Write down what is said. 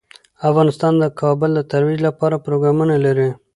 افغانستان د کابل د ترویج لپاره پروګرامونه لري.